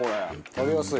食べやすい。